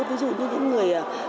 ví dụ như những người